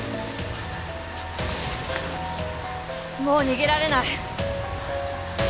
もう逃げられない。